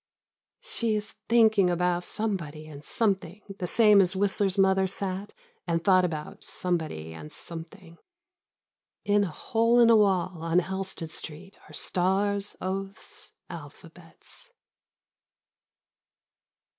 She is thinking about somebody and something the same as Whistler's mother sat and thought about some body and something. In a hole in a wall on Halsted Street are stars, oaths, alphabets.